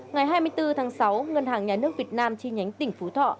ngày hai mươi bốn tháng sáu ngân hàng nhà nước việt nam chi nhánh tỉnh phú thọ